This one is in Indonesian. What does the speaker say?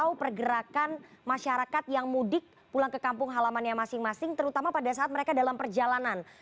atau pergerakan masyarakat yang mudik pulang ke kampung halamannya masing masing terutama pada saat mereka dalam perjalanan